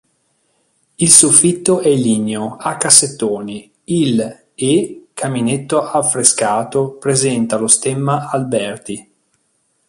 Il soffitto è ligneo a cassettoni, il e caminetto affrescato presenta lo stemma Alberti.